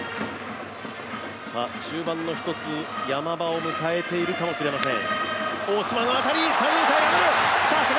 中盤の一つ、山場を迎えてるかもしれません。